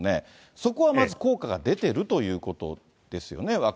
そこはまず、効果が出てるということですよね？